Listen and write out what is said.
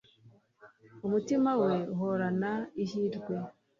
umutima we uhorana ihirwe